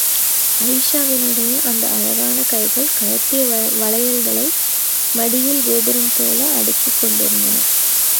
அயீஷாவினுடைய அந்த அழகான கைகள், கழட்டிய வளையல்களை, மடியில் கோபுரம் போல் அடுக்கிக் கொண்டிருந்தன.